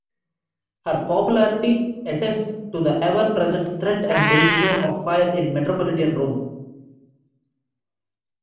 Her popularity attests to the ever-present threat and danger of fire in metropolitan Rome.